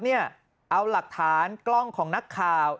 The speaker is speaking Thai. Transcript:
เอาหลักฐานกล้องของนักข่าว